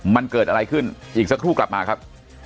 มันเกิดอะไรขึ้นอีกสักครู่กลับมาครับ